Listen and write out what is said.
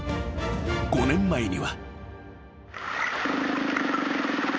［５年前には］